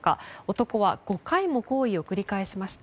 男は５回も行為を繰り返しました。